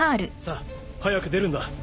さあ早く出るんだ。